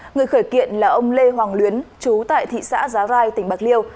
người khởi kiện là ông lê hoàng luyến chú tại thị xã giá rai tỉnh bạc liêu